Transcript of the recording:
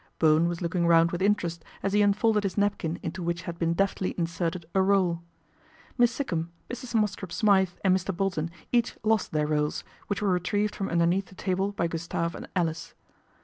Bowen was looking round with interest as he unfolded his napkin into which had been deftly inserted a roll. Miss Sikkum, Mrs. Mosscrop Smythe and Mr. Bolton each lost their rolls, which were retrieved from underneath the table by Gustave and Alice.